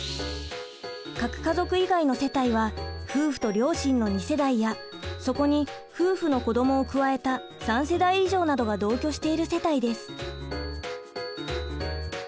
核家族以外の世帯は夫婦と両親の２世代やそこに夫婦の子どもを加えた３世代以上などが同居している世帯です。